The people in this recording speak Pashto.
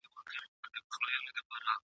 پکښی وینو به یارانو د رڼا د بري څلی ..